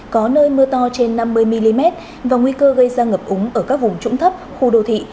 có nơi mưa to trên năm mươi mm và nguy cơ gây ra ngập úng ở các vùng trũng thấp khu đô thị